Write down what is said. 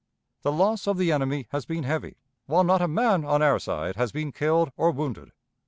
The loss of the enemy has been heavy, while not a man on our side has been killed or wounded.